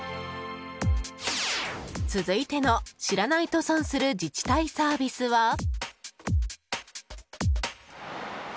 続いての知らないと損する自治体サービスは。